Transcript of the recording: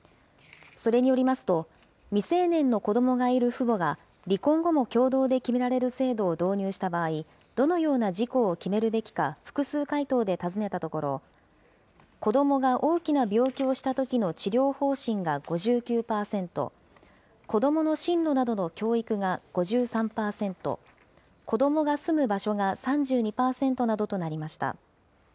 それによりますと、未成年の子どもがいる父母が、離婚後も共同で決められる制度を導入した場合、どのような事項を決めるべきか、複数回答で尋ねたところ、子どもが大きな病気をしたときの治療方針が５９％、子どもの進路などの教育が５３％、子どもが住む場所が３２％などとなりました。